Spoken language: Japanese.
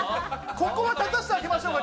ここは立たせてあげましょうか。